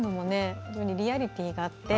非常にリアリティーがあって。